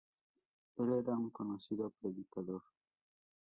El era un conocido predicador.